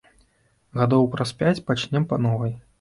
Гадоў праз пяць пачнём па новай.